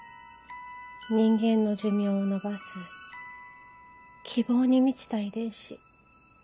人間の寿命を延ばす希望に満ちた遺伝子。